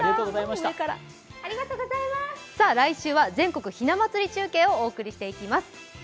来週は全国ひなまつり中継をお送りしていきます。